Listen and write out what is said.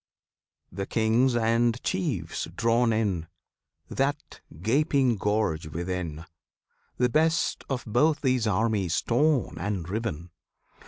The Kings and Chiefs drawn in, That gaping gorge within; The best of both these armies torn and riven!